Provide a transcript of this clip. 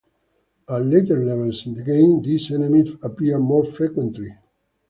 At later levels in the game, these enemies appear more frequently.